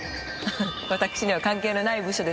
私には関係のない部署ですわ。